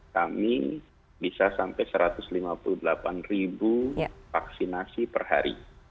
kami bisa sampai satu ratus lima puluh delapan ribu vaksinasi per hari